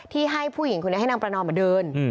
ให้ผู้หญิงคนนี้ให้นางประนอมเดิน